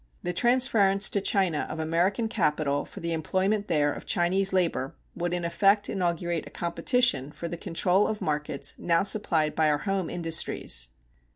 The transference to China of American capital for the employment there of Chinese labor would in effect inaugurate a competition for the control of markets now supplied by our home industries.